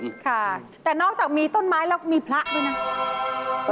ค่ะแต่นอกจากมีต้นไม้แล้วมีพระด้วยนะ